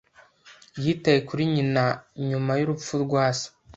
Yitaye kuri nyina nyuma y'urupfu rwa se.